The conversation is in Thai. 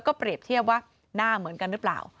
เปรียบเทียบว่าหน้าเหมือนกันหรือเปล่า